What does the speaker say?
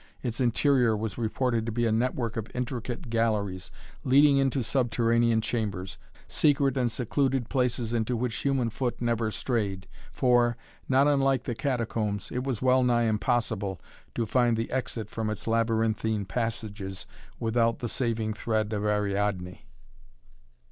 Its interior was reported to be a network of intricate galleries, leading into subterranean chambers, secret and secluded places into which human foot never strayed, for, not unlike the catacombs, it was well nigh impossible to find the exit from its labyrinthine passages without the saving thread of Ariadné.